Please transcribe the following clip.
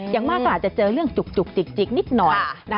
อย่างมากก็อาจจะเจอเรื่องจุกจิกนิดหน่อย